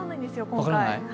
今回。